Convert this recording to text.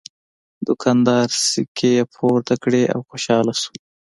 دوکاندار سکې پورته کړې او خوشحاله شو.